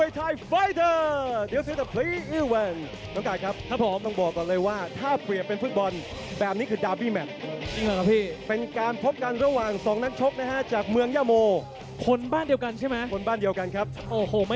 ต่อดูคู่นี้ให้ดีนะฮะ